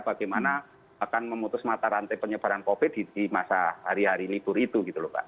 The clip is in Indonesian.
bagaimana akan memutus mata rantai penyebaran covid di masa hari hari libur itu gitu loh pak